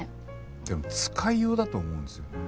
でも使いようだと思うんですよね。